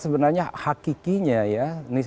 sebenarnya hakikinya ya